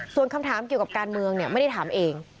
ส่วนคำถามเกี่ยวกับการเมืองไม่ได้ถามเอง